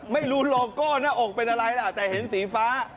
ไม่รู้โลโก้หน้าอกเป็นอะไรล่ะแต่เห็นสีฟ้า